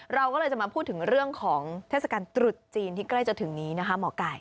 เราก็เลยจะมาพูดถึงเรื่องของเทศกาลตรุษจีนที่ใกล้จะถึงนี้นะคะหมอไก่